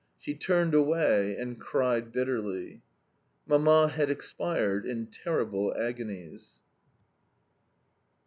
She turned away and cried bitterly. Mamma had expired in terrible agonies.